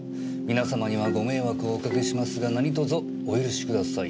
「皆さまにはご迷惑をおかけしますが何卒お許しください。